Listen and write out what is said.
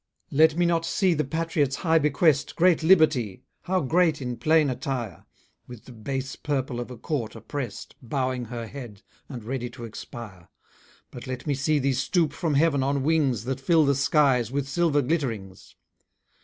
Let me not see the patriot's high bequest, Great Liberty! how great in plain attire! With the base purple of a court oppress'd, Bowing her head, and ready to expire: But let me see thee stoop from heaven on wings That fill the skies with silver glitterings!